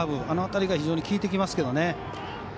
あの辺りが非常に効いてきますけどね。